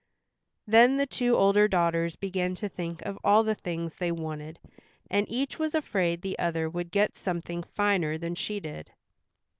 Then the two older daughters began to think of all the things they wanted, and each was afraid the other would get something finer than she did.